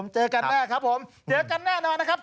เจอกันแน่ครับผมเจอกันแน่นอนนะครับ